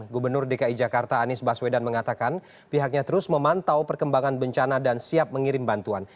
gubernur dki jakarta anies baswedan mengatakan pihaknya terus memantau perkembangan bencana dan siap mengirim bantuan